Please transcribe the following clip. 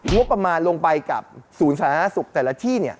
รวบประมาณลงไปกับศูนย์ศาลนาศุกร์แต่ละที่เนี่ย